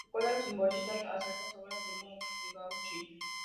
Recuerda a los simbolistas y a ciertas obras de Munch y Gauguin.